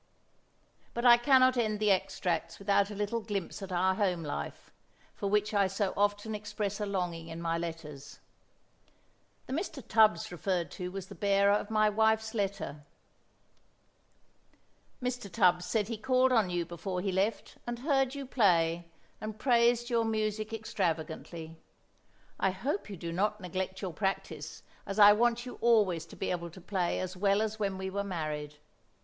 But I cannot end the extracts without a little glimpse at our home life, for which I so often express a longing in my letters. The Mr. Tubbs referred to was the bearer of my wife's letter: "Mr. Tubbs said he called on you before he left and heard you play, and praised your music extravagantly. I hope you do not neglect your practice, as I want you always to be able to play as well as when we were married.